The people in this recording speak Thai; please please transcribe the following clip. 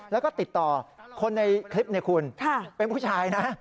แล้วก็ติดต่อคนในคลิปเนี่ยคุณเป็นผู้ชายนะ